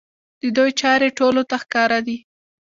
د دوی چارې ټولو ته ښکاره دي.